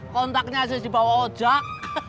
kontaknya aja dibawa ocak